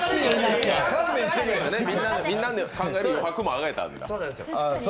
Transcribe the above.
みんなで考える余白も考えたんだ。